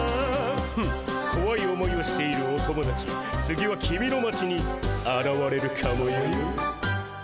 フッこわい思いをしているお友達次は君の町にあらわれるかもよ。